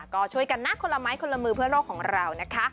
ก็ช่วยกันนะคนละไม้คนละมือเพื่อโลกของเรานะคะ